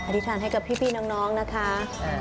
ธิษฐานให้กับพี่น้องนะคะ